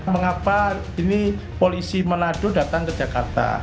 mengapa ini polisi manado datang ke jakarta